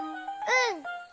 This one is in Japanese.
うん。